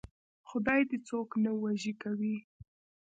خدای دې څوک نه وږي کوي.